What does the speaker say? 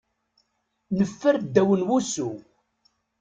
Neffer ddaw n wussu.